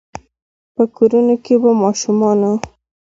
په کورونو کې به ماشومانو،